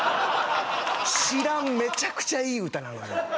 知らんめちゃくちゃいい歌なのよ